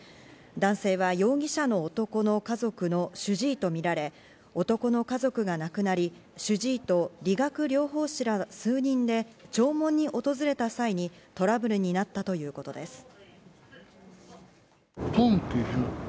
男性は容疑者の男の家族の主治医とみられ、男の家族が亡くなり、主治医と理学療法士ら数人で弔問に訪れた際にトラブルになったということです。